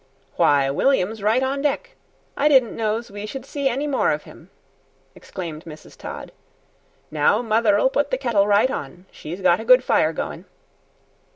"Why, William's right on deck; I didn't know's we should see any more of him!" exclaimed Mrs. Todd. "Now mother'll put the kettle right on; she's got a good fire goin'."